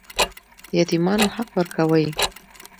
د یتیمانو حق ورکوئ؟